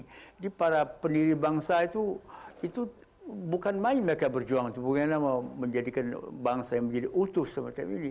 jadi para pendiri bangsa itu itu bukan main mereka berjuang bukan menjadikan bangsa yang menjadi utuh semacam ini